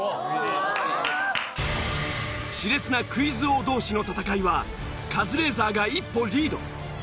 熾烈なクイズ王同士の戦いはカズレーザーが一歩リード。